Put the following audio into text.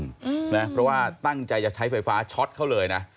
เพราะว่าตั้งใจจะใช้ไฟฟ้าช็อตเขาเลยนะ